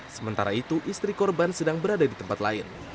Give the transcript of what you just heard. sementara itu istri korban sedang berada di tempat lain